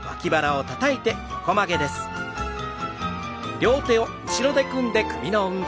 両手を後ろに組んで首の運動。